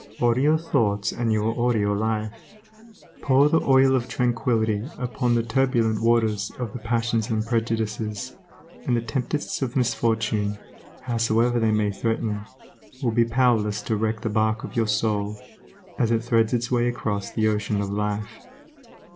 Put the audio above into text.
Order your thoughts and you will order your life. Pour the oil of tranquility upon the turbulent waters of the passions and prejudices, and the tempests of misfortune, howsoever they may threaten, will be powerless to wreck the barque of your soul, as it threads its way across the ocean of life.